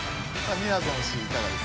みやぞん氏いかがですか？